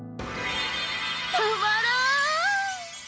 たまらん！